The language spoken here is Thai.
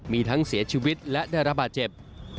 มีทั้งเสียชีวิตและได้รับบาดเจ็บ